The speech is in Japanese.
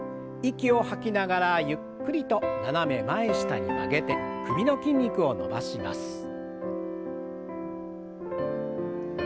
息を吐きながらゆっくりと斜め前下に曲げて首の筋肉を伸ばします。